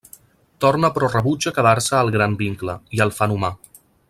Torna però rebutja quedar-se al Gran Vincle, i el fan humà.